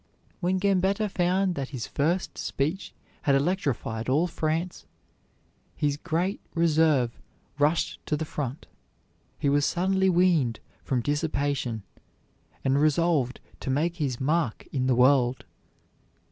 When Gambetta found that his first speech had electrified all France, his great reserve rushed to the front; he was suddenly weaned from dissipation, and resolved to make his mark in the world.